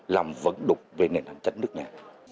làm vấn đục về nền hành chất nước nhà